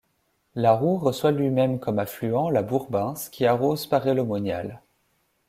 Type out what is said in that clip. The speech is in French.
L'Arroux reçoit lui-même comme affluent la Bourbince, qui arrose Paray-le-Monial.